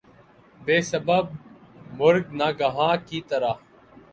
بے سبب مرگ ناگہاں کی طرح